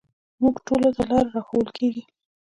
موږ ټولو ته لاره راښوول کېږي.